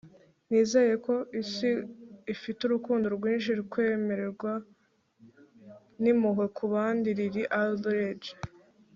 nizeye ko isi ifite urukundo rwinshi, kwemerwa, n'impuhwe ku bandi. - lily alridge